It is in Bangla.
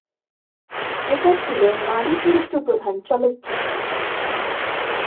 এটা ছিল নারী চরিত্র প্রধান চলচ্চিত্র।